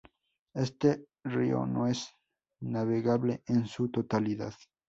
Este río no es navegable en su totalidad.